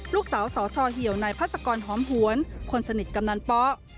ลูกสาวสทเหี่ยวนายพัศกรหอมหวนคนสนิทกำนันป๊